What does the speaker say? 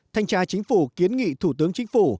thanh tra chính phủ kiến nghị thủ tướng chính phủ